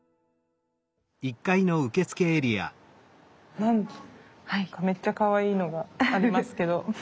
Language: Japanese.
何かめっちゃかわいいのがありますけど。